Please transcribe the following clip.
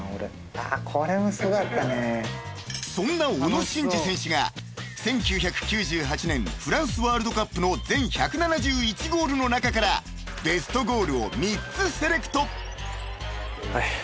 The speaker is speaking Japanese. ［そんな小野伸二選手が１９９８年フランスワールドカップの全１７１ゴールの中からベストゴールを３つセレクト］